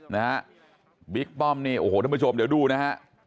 นะฮะบิ๊กป้อมนี่โอ้โหท่านผู้ชมเดี๋ยวดูนะฮะ